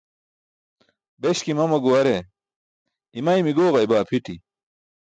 Beśki mama guware, imaymi gooġaybaa pʰiṭi.